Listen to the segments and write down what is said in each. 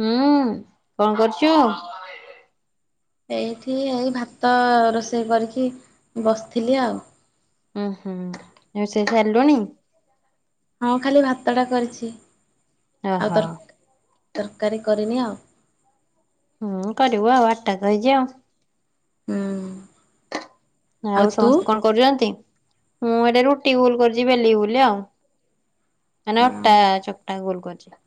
ହୁଁ, କଣ କରୁଛୁ? ଏଇଠି ଏଇ ଭାତ ରୋଷେଇ କରିକି ବସିଥିଲି ଆଉ। ଉଁ ହୁଁ। ରୋସେଇ ସାରିଲୁଣି? ହଁ ଖାଲି ଭାତଟା କରିଛି। ଆଉ ଓହୋ ତର-ତରକାରୀ କରିନି ଆଉ। ହୁଁ କରିବ ଆଉ, ଆଠ୍ ଟା ତ ହେଇଛି ଆଉ। ହୁଁ। ଆଉ ସମସ୍ତେ କଣ କରୁଛନ୍ତି? ମୁଁ ଏଟେ ରୁଟି ଗୋଲ କରୁଛି ବେଲି ବୁଲି ଆଉ। ମାନେ ଅଟା ଚକଟା ଗୋଲ କରିଛି।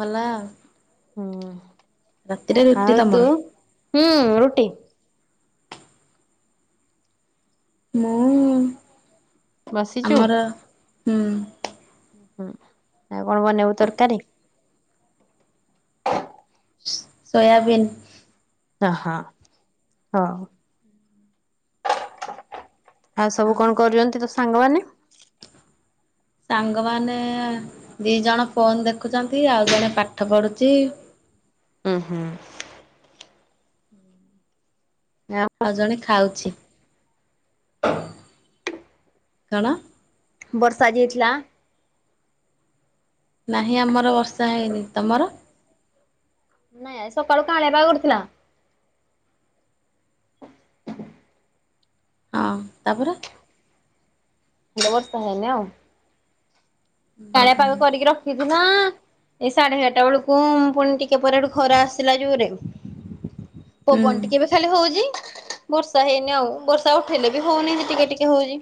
ମଲା ଆଉ। ହୁଁ। ରାତିରେ ରୁଟି ଆଉ ତମର ତୁ? ହୁଁ ରୁଟି। ମୁଁ, ବସିଛୁ। ଆମର, ହୁଁ। ଁ ହୁଁ। ଆଉ କଣ ବନେଇବୁ ତରକାରୀ? ସୋୟାବିନ୍। ଅହ, ହଉ। ଆଉ ସବୁ କଣ କରୁଛନ୍ତି ତୋ ସାଙ୍ଗମାନେ? ସାଙ୍ଗମାନେ ଦି ଜଣ ଫୋନ ଦେଖୁଛନ୍ତି। ଆଉ ଜଣେ ପାଠ ପଢୁଛି। ଁ ହୁଁ। [unintelligible] ଆଉ ଜଣେ ଖାଉଛି। କଣ? ବର୍ଷା ଆଜି ହେଇଥିଲା? ନାହିଁ ଆମର ବର୍ଷା ହେଇନି, ତମର? ନାଇଁ ଆଜି ସକାଳୁ କାଆଁଣିଆ ପାଗ କରିଥିଲା। ହଁ, ତାପରେ? ବ୍ୟବସ୍ତା ହେଇନି ଆଉ। କାଳିଆ ପାଗ କରିକି ରଖିଛି ନା। ଏଇ ସାଢେ ଏଗାରଟା ବେଳକୁ ପୁଣି ଟିକେ ପରେ ହେଟୁ ଖରା ଆସିଲା ଯୋରରେ। ପବନ ହୁଁ। ଟିକେ ଏବେ ଖାଲି ହଉଛି। ବର୍ଷା ହେଇନି ଆଉ। ବର୍ଷା ଉଠେଇଲେ ବି ହଉନି, ଟିକେ ଟିକେ ହଉଛି।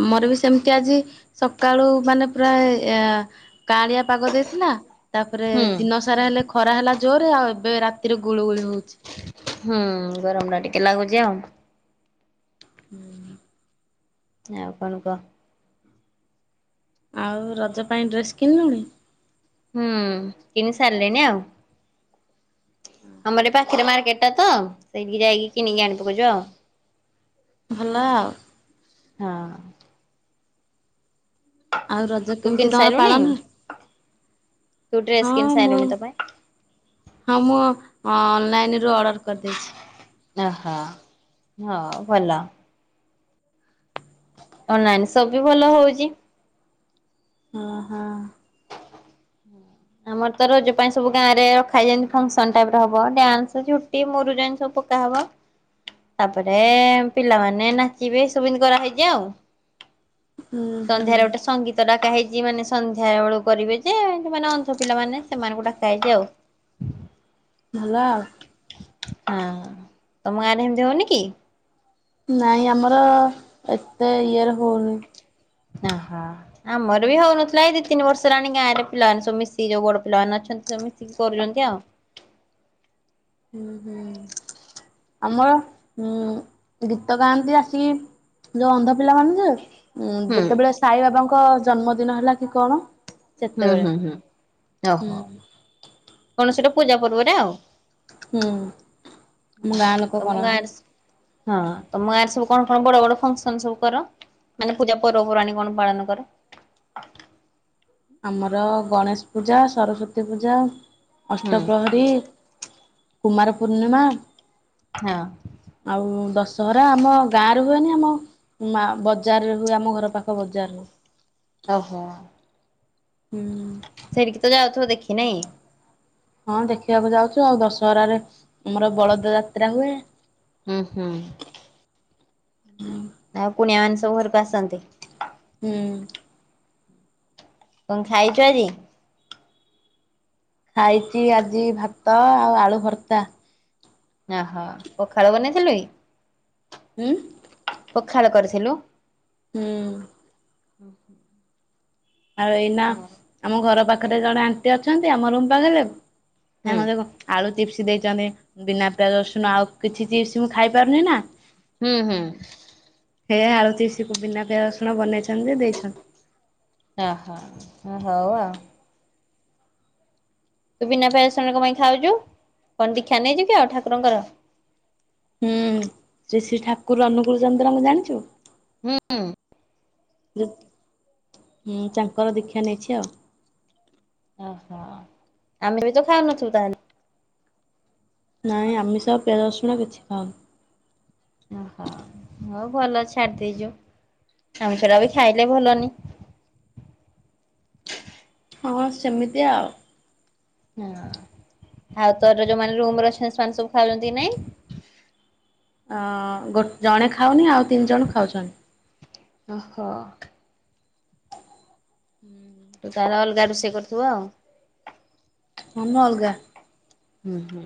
ଆମର ବି ସେମିତି ଆଜି, ସକାଳୁ ମାନେ ପ୍ରାଏ ଏଁ କାଆଣିଆ ପାଗ ଦେଇଥିଲା ତାପରେ ହୁଁ ଦିନ ସାରା ହେଲେ ଖରା ହେଲା ଜୋରରେ, ଆଉ ଏବେ ରାତିରେ ଗୁଳୁ ଗୁଳି ହଉଛି। ହୁଁ ଗରମ ଟା ଟିକେ ଲାଗୁଛି ଆଉ। ହୁଁ। ଆଉ କଣ କହ? ଆଉ ରଜ ପାଇଁ ଡ୍ରେସ୍ କିଣିଲୁଣି? ହୁଁ। କିଣି ସାରିଲିଣିି ଆଉ। ଆମର ଏ ପାଖରେ ମାର୍କେଟ ଟା ତ, ସେଇଠି ଯାଇକି କିଣିକି ଆଣି ପକେଇଛୁ ଆଉ। [inaudible] ଭଲ ଆଉ ହଁ ଆଉ ରଜ ତୁ କିଣି କେମିତି ତମର ସାରିଲୁଣି ପାଳନ ତୁ ଡ୍ରେସ୍ କିନି ହଁ ମୁଁ ସାରିଳୁନି ତୋ ପାଇଁ ହଁ ମୁଁ ଅନଲାଇନ ରୁ ଅର୍ଡର କରିଦେଇଛି। ଅ ହ ହଁ ଭଲ। ଅନଲାଇନ ସବୁ ବି ଭଲ ହଉଛି। ହ ହଁ। ହୁଁ ଆମର ତ ରୋଜ ପାଇଁ ସବୁ ଗାଁରେ ରଖାଯାଇଛି ଫଙ୍କସନ ଟାଇପର ହବ ଡ୍ୟାନ୍ସ ଟିକେ ମୋରୁଜ ସବୁ ପକା ହବ। ତାପରେ ପିଲାମାନେ ନାଚିବେ ସବୁ ଏମିତି କରାହେଇଛି ଆଉ। ହୁଁ ହୁଁ ସନ୍ଧ୍ୟାରେ ଗୋଟେ ସଙ୍ଗୀତ ଡାକା ହେଇଛି ମାନେ ସନ୍ ସନ୍ଧ୍ୟା ବେଳୁକୁ କରିବେ ଯେ ମାନେ ଅନ୍ଧ ପିଲାମାନେ ସେମାନଙ୍କୁ ଡାକ ହେଛି ଆଉ ଭଲ ଆଉ ହଁ ତମ ଗାଁରେ ଏମିତି ହଉନି କି? ନାଇଁ ଆମର ଏତେ ଇଏର ହଉନି। ଆ ହା ଆମର ବି ହଉନଥିଲା ଏଇ ଦି ତିନି ବର୍ଷ ହେଲାଣି ଗାଁରେ ପିଲମାନେ ସବୁ ମିଶି ଯୋଉ ବଡ ପିଲାମାନେ ଅଛନ୍ତି ମିଶି କରୁଛନ୍ତି ଆଉ ହୁଁ ହୁଁ ଆମର ଉଁ ଗୀତ ଗାଆନ୍ତି ଆସି ଯୋଉ ଅନ୍ଧ ପିଲାମାନ ଯେ ହୁଁ ଯେତେବେଳେ ସାଇ ବାବାଙ୍କ ଜନ୍ମଦିନ ହେଲା କି କଣ। ହୁଁ ସେତେବେଳେ ହୁଁ ହୁଁ ହୁଁ ଓହୋ କଣ ସେଟା ପୂଜା ପର୍ବରେ ଆଉ ହୁଁ ଆମ ଗାଁ ଲୋକ ତମ ଗାଁ କରନ୍ତି ହଁ ତମ ଗାଁରେ ସବୁ କଣ କଣ ବଡ ବଡ ଫଙ୍କସନ ସବୁ କର? ମାନେ ପୂଜା ପର୍ବାଣି କଣ ପାଳନ କର? ଆମର ଗଣେଶ ପୂଜା, ସରସ୍ଵତୀ ପୂଜା, ହୁଁ ଅଷ୍ଟପ୍ରହରୀ କୁମାର ପୂର୍ଣ୍ଣିମା ହଁ ଆଉ ଦଶହରା ଆମ ଗାଁରୁ ହୁଏନି ଆମ ମା ବଜାରରେ ହୁଏ ଆମ ଘର ପାଖ ବଜାରରୁ ଓ ହୋ। ହୁଁ ସେଠିକି ତ ଯାଉଥିବ ଦେଖିନାଇଁ ହଁ ଦେଖିବାକୁ ଯାଉଛୁ ଆଉ ଦଶହରାରେ ଆମର ବଳଦ ଯାତ୍ରା ହୁଏ। ହୁଁ ହୁଁ ଆଉ କୁଣିଆ ମାନେ ସବୁ ଘରକୁ ଆସନ୍ତି। ହୁଁ କଣ ଖାଇଚ ଆଜି? ଖାଇଛି ଆଜି ଭାତ ଆଉ ଆଳୁ ଭର୍ତ୍ତା। ଓହୋ ପଖାଳ ବନେଇଥିଲୁ କି? ହୁଁ ପଖାଳ କରିଥିଲୁ? ହୁଁ ଓ ହୋଁ ଆଉ ଏଇନା ଆମ ଘର ପାଖରେ ଜଣେ ଆଣ୍ଟି ଅଛନ୍ତି ଆମ ରୁମ୍ ତଳିବେ ହେମଦେବ ଆଳୁ ଚିପ୍ସ୍ ଦେଇଚନ୍ତି ବିନା ପିଆଜ, ରସୁଣ ଆଉ କିଛି ଚିପ୍ସ୍ ମୁଁ ଖାଇ ପାରୁନି ନା ହୁଁ ହୁଁ। ହେ ଆଳୁ ଚିପ୍ସ୍ କୁ ବିନା ପିଆଜ, ରସୁଣ ବନେଇଛନ୍ତି ଦେଇଛ ୟହ ହଉ ଆଉ। ତୁ ବିନା ପିଆଜ, ରସୁଣ ଙ୍କ ପାଇଁ ଖାଉଚୁ ଙ୍କ ଦୀକ୍ଷା ନେଇଛୁ କି ଆଉ ଠାକୁରଙ୍କର? ହୁଁ ଯିଏ ସିଏ ଠାକୁର ଅନୁକୁଲ୍ ଚନ୍ଦ୍ରଙ୍କୁ ଜାଣିଛୁ? ହୁଁ [unintelligible] ଜତ୍ ହୁଁ ତାଙ୍କର ଦୀକ୍ଷା ନେଇଛି ଆଉ। ଓହୋ ଆମେ ବି ତ ଖାଉନଥିବୁ ତାହେଲେ। ନାଇଁ ଆମିସ ପିଆଜ, ରସୁଣ କିଛି ଖାଉନୁ। ଓହୋ ହଉ ଭଲ ଛାଡ଼ିଦେଇଛୁ ଆମୁଛଡ଼ା ବି ଖାଇଲେ ଭଲନି। ହଁ ସେମିତି ଆଉ। ହଁ ଆଉ ତୋର ଯୋଉମାନେ ରୁମ୍ ରେ ଅଛନ୍ତି ସେମାନେ ସବୁ ଖାଉଛନ୍ତି ନାଇଁ? ଅ ଗୋ ଜଣେ ଖାଉନି ଆଉ ତିନି ଜଣ ଖାଉଚ ଓହୋ। ହୁଁ। ତୁ ତାର ଅଲ୍ଗା ରୁଷେଇ କରୁଥିବ। ମନ ଅଲ୍ଗା। ଉଁହୁଁ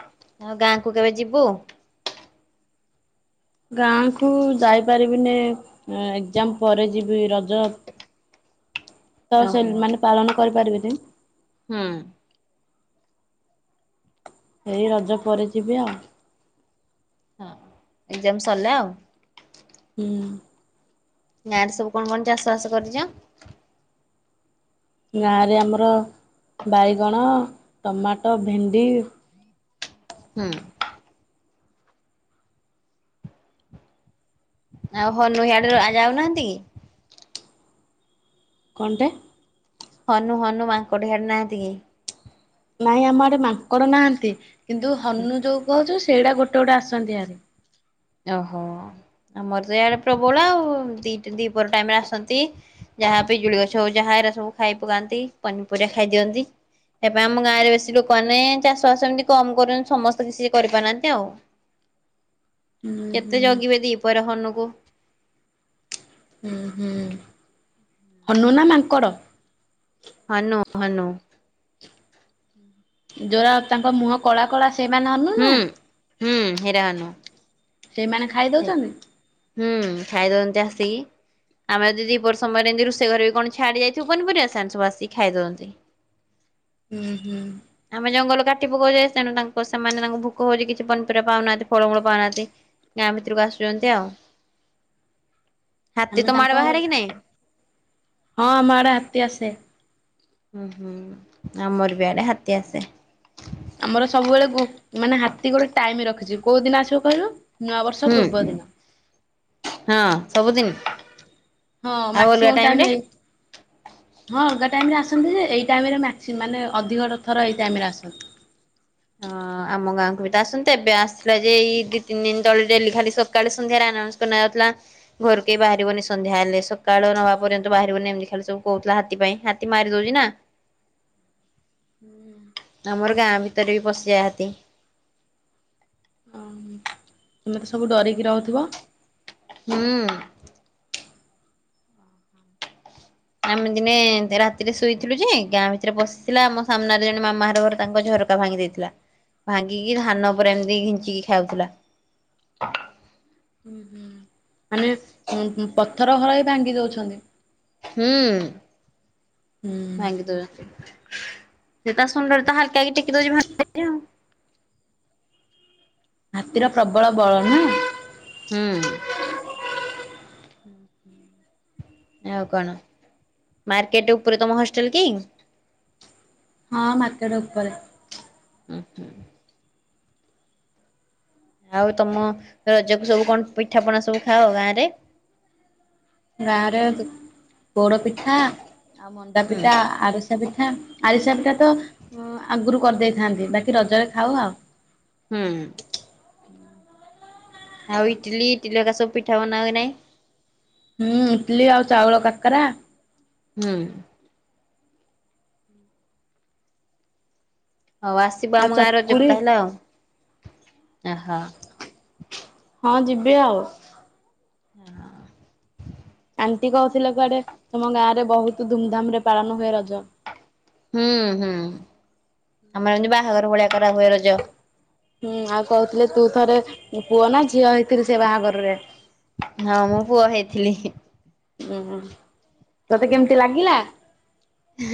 ଆଉ ଗାଁକୁ କେବେ ଯିବୁ? ଗାଁକୁ ଯାଇପାରିବିନି ଏ ଏକ୍ଜାମ୍ ପରେ ଯିବି ରଜ ତ ସେ ଓହୋ ମାନେ ପାଳନ କରିପାରିବେନି ହୁଁ। ଏଇ ରଜ ପରେ ଯିବି ଆଉ। ହଁ ଏଜାମ୍ ସର୍ଲା ଆଉ। ହୁଁ। ଗାଁରେ ସବୁ କଣ କଣ ଚାଷବାସ କରିଛ? ଗାଁରେ ଆମର ବାଇଗଣ, ଟମାଟ, ଭେଣ୍ଡି ହୁଁ। ଆଉ ହନୁ ଇଆଡୁ ଆଉ ଯାଉନାହାନ୍ତି? ଙ୍କନ୍ଟେ? ହନୁ, ହନୁ, ମାଙ୍କଡ ହିଆଡେ ନାହାନ୍ତି କି? ନାଇଁ ଆମ ହାଡ଼େ ମାଙ୍କଡ ନାହାନ୍ତି କିନ୍ତୁ ହନୁ ଯୋଉ କହୁଛୁ ସେଇଡ଼ା ଗୋଟେ ଗୋଟେ ଆସନ୍ତି ହାରି। ୟହ ଆମର ତ ଇଆଡେ ପ୍ରବଳ ଆଉ ଦିଟା ଦିପହର ଟାଇମ୍ ରେ ଆସନ୍ତି ଯାହା ପିଜୁଳି ଗଛ ଯାହା ଏରା ସବୁ ଖାଇ ପକାନ୍ତି ପନିପରିବା ଖାଇ ଦିଅନ୍ତି। ଏବେ ଆମ ଗାଁ ରେ ବେଶୀ ଲୋକମାନେ ଚାଷ ବାସ ଏମ୍ତି କମ୍ କର ସମସ୍ତେ କିଛି କରିପାରୁନାହାନ୍ତି ଆଉ। ହୁଁ ହୁଁ କେତେ ଜଗିବେ ଦିପହରେ ହନୁକୁ। ଉଁ ହୁଁ। ହନୁ ନା ମାଙ୍କଡ଼? ହନୁ, ହନୁ। ଯଉରା ତାଙ୍କ ମୁହଁ କଳା କଳା ସେମାନେ ହନୁ ନା? ହୁଁ। ହୁଁ ହେଇରା ହନୁ। ସେଇମାନେ ଖାଇଦଉଛନ୍ତି? ହୁଁ ଖାଇଦିଅନ୍ତି ଆସିକି ଆମେ ଯଦି ଦିପହର ସମୟ ରେ ଏନ୍ତି ରୋଷେଇ ଘରେ କଣ ଛାଡ଼ି ଯାଇଥିବୁ ପନିପରିବା ସାନ୍ସ ଆସିକି ଖାଇ ଦିଅନ୍ତି। ହୁଁ ହୁଁ। ଆମେ ଜଙ୍ଗଲ କାଟି ପକଉଚେ ତେଣୁ ତାଙ୍କ ସେମାନେ ତାଙ୍କୁ ଭୋକ ହଉଛି କିଛି ପନିପରିବା ପାଉନାହାନ୍ତି ଫଳମୂଳ ପାଉନାହାନ୍ତି। ଗାଁ ଭିତରକୁ ଆସୁଛନ୍ତି ଆଉ। ହାତୀ ଆମେ ତମ ଆଡ଼େ ତାଙ୍କ ବାହାରେ କି ନାଇଁ? ହଁ ଆମ ଆଡେ ହାତୀ ଆସେ। ହୁଁ ହୁଁ ଆମର ବି ଆଡେ ହାତୀ ଆସେ। ଆମର ସବୁବେଳେ ଗୁ ମାନେ ହାତୀ ଗୋଟେ ଟାଇମ ରଖିଛି କୋଉ ଦିନ ଆସିବ କହିଲୁ। ନୂଆବର୍ଷ ହୁଁ ପୂର୍ବ ଦିନ। ହଁ ସବୁଦିନ। ହଁ ଆଉ ଅଲଗା ମ୍ୟାକ୍ସିମମ ରେ? ଟାଇମ। ହଁ ଅଲଗା ଟାଇମ ରେ ଆସନ୍ତି ଯେ ଏଇ ଟାଇମ ରେ ମ୍ୟାକ୍ସି ମାନେ ଅଧିକ ର ଥର ଏଇ ଟାଇମ ରେ ଆସନ୍ତି। ହଁ। ଆମ ଗାଁକୁ ବି ତ ଆସନ୍ତେ ଏବେ ଆସିଲା ଯେ ଏଇ ଦି, ତିନି ଦିନ ତଳେ ଡେଲି ଖାଲି ସକାଳେ, ସନ୍ଧ୍ୟାରେ ଆନାଉନ୍ସ କନା ହଉଥିଲା। ଘରୁ କେହି ବାହାରିବନି ସନ୍ଧ୍ୟା ହେଲେ ସକାଳ ନ ହବା ପର୍ଯ୍ୟନ୍ତ ବାହାରିବନି ଏମିତି ଖାଲି ସବୁ କହୁଥିଲା ହାତୀ ପାଇଁ ହା ତି ମାରି ଦଉଛି ନା। ହୁଁ। ଆମର ଗାଁ ଭିତରେ ବି ପଶି ଯାଏ ହାତୀ। ଓ ତମେ ତ ସବୁ ଡରିକି ରହୁଥିବ। ହୁଁ। ଆମେ ଦିନେ ରାତିରେ ଶୋଇଥିଲୁ ଯେ ଗାଁ ଭିତରେ ପଶିଲା ଆମ ସାମ୍ନାରେ ଜଣେ ମାମା ଘର ଘର ତାଙ୍କ ଝର କା ଭାଙ୍ଗି ଦେଇଥିଲା ଭାଙ୍ଗିକି ଧାନ ଉପରେ ଏମିତି ଘିଞ୍ଚିକି ଖାଉଥିଲା। ହୁଁ ହୁଁ ମାନେ ଉଁ ଉଁ ପଥର ଘର ବି ଭାଙ୍ଗି ଦଉଛନ୍ତି। ହୁଁ। ହୁଁ। ଭାଙ୍ଗି ଦଉଛନ୍ତି ସେ ତା ଶୁଣ୍ଡରେ ତ ହାଲକା କି ଟେକି ଦଉଛି ଭାଙ୍ଗି ଆଉ। ହାତୀର ପ୍ରବଳ ବଳ ନା। ହୁଁ। ଆଉ କଣ ମାର୍କେଟ ଉପରେ ତମ ହଷ୍ଟେଲ କି? ହଁ ମାର୍କେଟ ଉପରେ। ଉଁ ହୁଁ। ଆଉ ତମ ରଜ କୁ ସବୁ କଣ ପିଠା ପଣା ସବୁ ଖାଅ ଗାଁ ରେ? ଗାଁରେ ହୁଁ ପୋଡ ପିଠା ଆଉ ମଣ୍ଡା ପିଠା ଆରି ଆରିସା ପିଠା ଆରିସା ପିଠା ତ ଉ ଆଗରୁ କରିଦେଇଥାନ୍ତି ବାକି ରଜରେ ଖାଉ ଆଉ। ହୁଁ। ଆଉ ଇଟିଲି ଇଟିଲି ହରିକା ସବୁ ପିଠା ବନା ହୁଏ ନାଇ। ହୁଁ ଇଟିଲିି ଆଉ ଚାଉଳ କାକରା। ହୁଁ। ହଉ ଆସିବ ଆଉ ଆମ ଗାଁ ରଜ କୁ ଚକୁଳି ତାହେଲେ ଆଉ ଆ ହ। ହଁ ଯିବି ଆଉ। ହଁ। ଆଣ୍ଟି କହୁଥିଲେ କୁଆଡେ ତମ ଗାଁ ରେ ବହୁତ ଧୁମଧାମ ରେ ପାଳନ ହୁଏ ରଜ। ହୁଁ ହୁଁ ଆମର ଏମିତି ବାହାଘର ଭଳିଆ କରା ହୁଏ ରଜ। ହୁଁ ଆଉ କହୁଥିଲେ ତୁ ଥରେ ଉଁ ପୁଅ ନା ଝିଅ ହେଇଥିଲୁ ସେ ବାହାଘରରେ। ହଁ ମୁଁ ପୁଅ ହେଇଥିଲି। ଉଁ ହୁଁ ତତେ କେମିତି ଲାଗିଲା?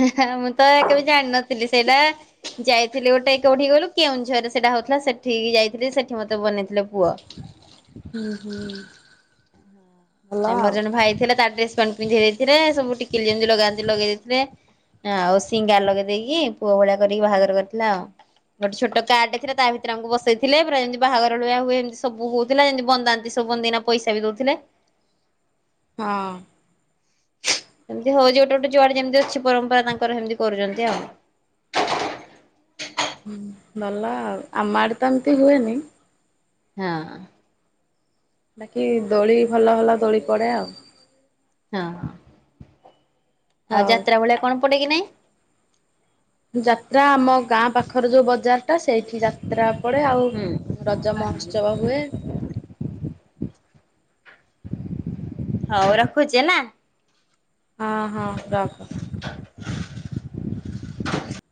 ଏ ହେଁ ହେଁ ମୁଁ ତ କେବେ ଜାଣିନଥିଲି ସେଇଟା। ଯାଇଥିଲି ଗୋଟେ କୋଉଠି କହିଲୁ କେଉଁଝରରେ ସେଇଟା ହଉଥିଲା ସେଠିକି ଯାଇଥିଲି ସେଠି ମତେ ବନେଇଥିଲେ ପୁଅ। ହୁଁ ହୁଁ। ଭଲ ଆ ମୋର ଆଉ ଜଣେ ଭାଇ ଥିଲା ତା ଡ୍ରେସବପେଣ୍ଟ ପିନ୍ଧେଇ ଦେଇଥିଲେ ସବୁ ଟିକିଲି ଯେମିତି ଲଗାନ୍ତି ଲଗେଇ ଦେଇଥିଲେ। ହଁ ଆଉ ସିଙ୍ଗାର ଲଗେଇ ଦେଇେଇକି ପୁଅ ଭଳିଆ କରିକି ବାହାଘର କରିଥିଲା ଆଉ। ଗୋଟେ ଛୋଟ କାର୍ଡେ ଥିଲା ତା ଭିତରେ ଆକୁ ବସେଇଥିଲେ ପୁରାମିତି ବାହାରଳିଆ ହୁଏ ଏମତି ସବୁ ହଉଥିଲାମିତି ବନ୍ଦା ସବୁନ ଦିନା ପଇସା ବି ଦଉଥିଲେ ହଁ। ସେମିତି ହଉ ଯ ଗୋଟେ ଗୋଟେ ଯୁଆଡେ ଯେମିତି ଅଛି ପରମ୍ପରା ତାଙ୍କର ସେମିତି କରୁଛନ୍ତି ଆଉ। ହୁଁ ଭଲ ଆଉ ଆମ ଆଡ ତ ଏମତି ହୁଏନି। ହଁ। ବାକି ଦୋଳି ଭଲ ଭଲ ଦୋଳି ପଡେ ଆଉ। ହଁ। ଆଉ ଯାତ୍ରା ହଉ ଭଳିଆ କଣ ପଡେକି ନାଇଁ। ଯାତ୍ରା ଆମ ଗାଁ ପାଖରେ ଯୋଉ ବଜାର ଟା ସେଇଠି ଯାତ୍ରା ପଡେ ଆଉ ହୁଁ ରଜ ମହୋତ୍ସବ ହୁଏ। ହଉ ରଖୁଛେ ନା। ହଁ ହଁ ରଖ। [inaudible]